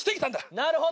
なるほど。